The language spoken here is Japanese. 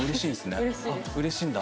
うれしいんだ。